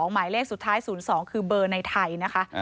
หมายเลขสุดท้าย๐๒คือเบอร์ในไทยนะคะ